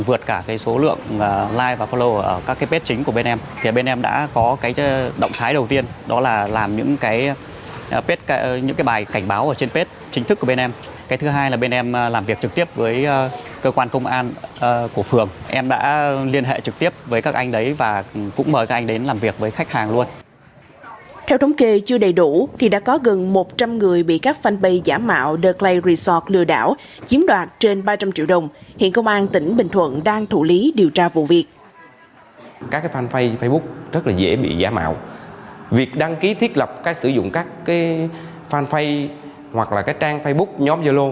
việc đăng ký thiết lập sử dụng các fanpage hoặc trang facebook nhóm yolo